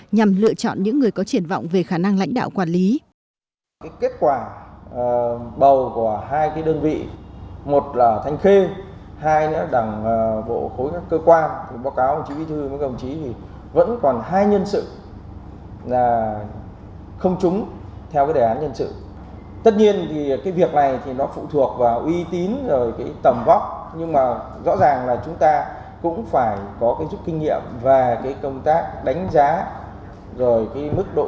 nhằm lựa chọn những người có triển vọng về khả năng lãnh đạo quản lý